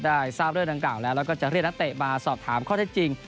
ทราบเรื่องดังกล่าวแล้วแล้วก็จะเรียกนักเตะมาสอบถามข้อเท็จจริง